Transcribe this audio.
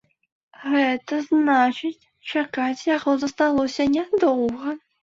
Гэта значыць, чакаць яго засталося нядоўга.